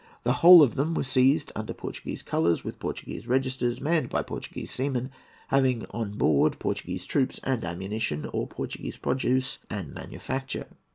The whole of them were seized under Portuguese colours, with Portuguese registers, manned by Portuguese seamen, having on board Portuguese troops and ammunition or Portuguese produce and manufacture.